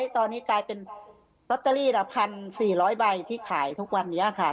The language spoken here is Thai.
ตอนนี้กลายเป็นลอตเตอรี่ละ๑๔๐๐ใบที่ขายทุกวันนี้ค่ะ